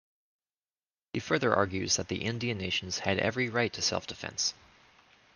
He further argues that the Indian nations had every right to self-defense.